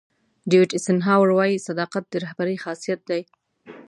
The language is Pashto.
ډیوېټ ایسنهاور وایي صداقت د رهبرۍ خاصیت دی.